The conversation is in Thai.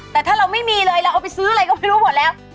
แต่ถ้าเราไม่มีเลยเราเอาไปซื้ออะไรก็ไม่รู้หมดแล้ว